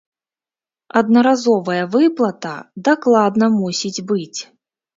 Аднаразовая выплата дакладна мусіць быць.